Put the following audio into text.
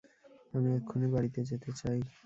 আমি এক্ষুনি বাড়িতে যেতে চাই!